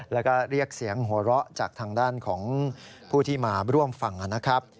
แล้วก็เรียกเสียงหัวเราะจากทางด้านของผู้ที่มาร่วมฟังนะครับ